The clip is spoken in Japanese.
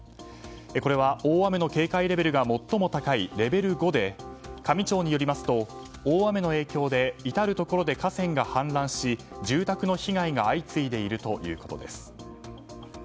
これは大雨の警戒レベルが最も高いレベル５で香美町によりますと大雨の影響で至るところで河川が氾濫し住宅の被害が相次いでいるということです。